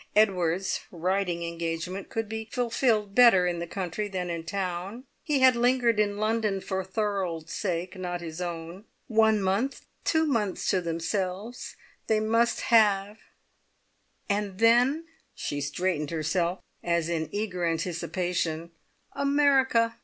Edward's writing engagement could be fulfilled better in the country than in town. He had lingered in London for Thorold's sake, not his own. One month, two months to themselves, they must have, and then" she straightened herself as in eager anticipation "America!